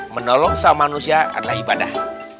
menolong sama manusia adalah ibadah